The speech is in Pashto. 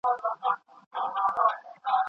راځه،